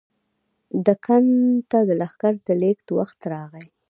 دکن ته د لښکر د لېږد وخت راغی.